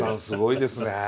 すごいですね。